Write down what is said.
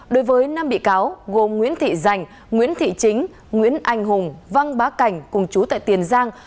đối với năm bị cáo gồm nguyễn thị giành nguyễn thị chính nguyễn anh hùng văn bá cảnh cùng chú tại tiền giang